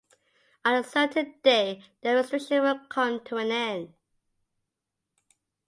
On a certain day the restriction will come to an end.